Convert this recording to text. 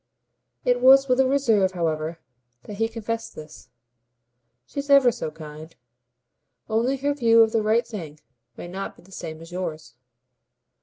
It was with a reserve, however, that he confessed this. "She's ever so kind. Only her view of the right thing may not be the same as yours."